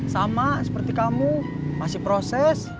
sama seperti kamu masih proses